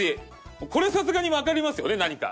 これさすがにわかりますよね何か。